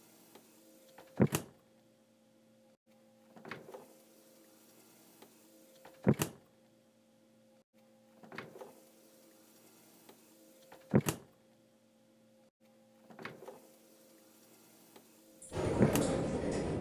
El Monumento Conmemorativo Nacional de Martin Luther King, Jr.